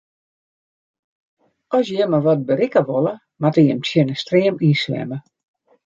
As jimme wat berikke wolle, moatte jimme tsjin de stream yn swimme.